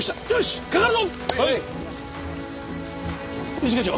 一課長！